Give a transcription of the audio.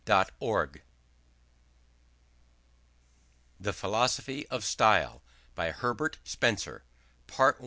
Peterson THE PHILOSOPHY OF STYLE. By Herbert Spencer PART I.